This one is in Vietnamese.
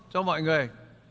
cho mọi người